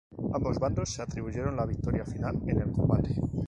Ambos bandos se atribuyeron la victoria final en el combate.